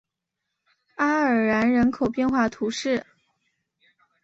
阿尔然人口变化图示